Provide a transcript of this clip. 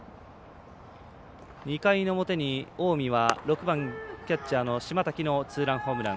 ２回の表に近江は６番キャッチャーの島瀧のツーランホームラン。